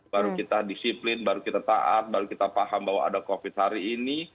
baru kita disiplin baru kita taat baru kita paham bahwa ada covid hari ini